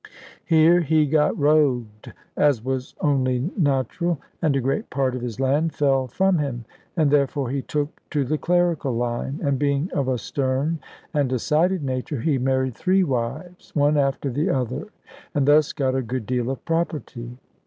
Here he got rogued, as was only natural, and a great part of his land fell from him, and therefore he took to the clerical line; and being of a stern and decided nature, he married three wives, one after the other, and thus got a good deal of property.